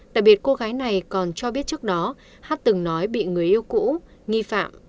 đặc biệt cô gái này còn cho biết trước đó hát từng nói bị người yêu cũ nghi phạm